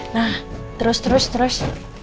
nah terus terus terus